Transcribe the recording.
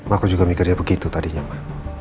aku juga mikir dia begitu tadinya ma